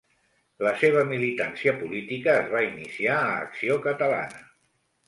La seva militància política es va iniciar a Acció Catalana.